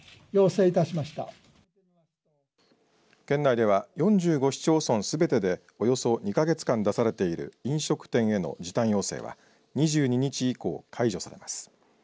県内では４５市町村すべてでおよそ２か月間出されている飲食店への時短要請は２２日以降、解除されます。